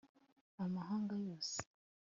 amahanga yose